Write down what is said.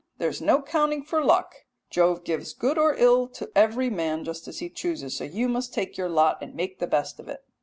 There is no accounting for luck; Jove gives good or ill to every man, just as he chooses, so you must take your lot, and make the best of it."